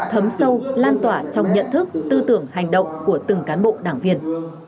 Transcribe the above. thấm sâu lan tỏa trong nhận thức tư tưởng hành động của từng cán bộ đảng viên